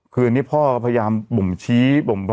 คืออันนี้พ่อพยายามบ่งชี้